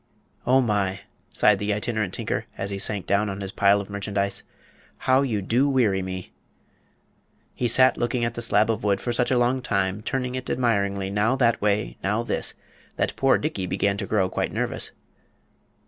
"Oh, my!" sighed the Itinerant Tinker, as he sank down on his pile of merchandise. "How you do weary me!" He sat looking at the slab of wood for such a long time, turning it admiringly now that way, now this, that poor Dickey began to grow quite nervous.